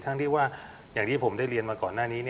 ที่ว่าอย่างที่ผมได้เรียนมาก่อนหน้านี้